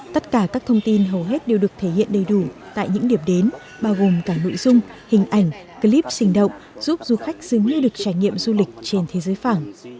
tất cả các thông tin hầu hết đều được thể hiện đầy đủ tại những điểm đến bao gồm cả nội dung hình ảnh clip sinh động giúp du khách dường như được trải nghiệm du lịch trên thế giới phẳng